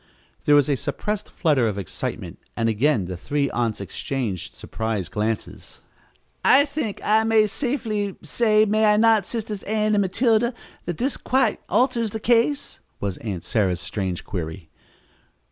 '" There was a suppressed flutter of excitement and again the three aunts exchanged surprised glances. "I think I may safely say, may I not, Sisters Ann and Matilda, that this quite alters the case?" was Aunt Sarah's strange query.